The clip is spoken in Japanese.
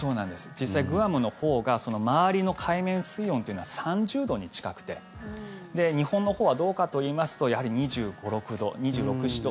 実際、グアムのほうが周りの海面水温というのは３０度に近くて日本のほうはどうかといいますとやはり２５２６度２６２７度。